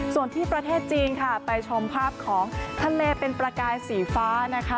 ส่วนที่ประเทศจีนค่ะไปชมภาพของทะเลเป็นประกายสีฟ้านะคะ